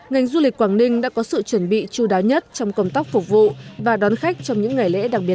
ngành du lịch quảng ninh đã có sự chuẩn bị chú đáo nhất trong công tác phục vụ và đón khách trong những ngày lễ đặc biệt